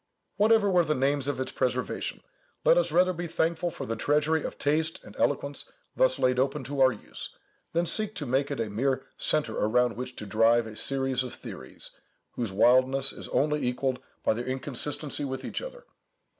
Whatever were the means of its preservation, let us rather be thankful for the treasury of taste and eloquence thus laid open to our use, than seek to make it a mere centre around which to drive a series of theories, whose wildness is only equalled by their inconsistency with each other.